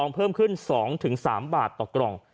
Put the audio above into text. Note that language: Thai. เพิ่มขึ้น๒๓บาทต่อกล่อง